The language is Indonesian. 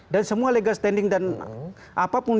dan semua legal standing dan apapun yang diperlukan